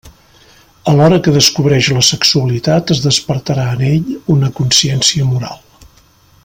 Alhora que descobreix la sexualitat, es despertarà en ell una consciència moral.